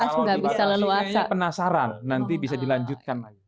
kalau dibatasi hanya penasaran nanti bisa dilanjutkan lagi